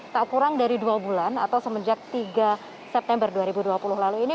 tak kurang dari dua bulan atau semenjak tiga september dua ribu dua puluh lalu ini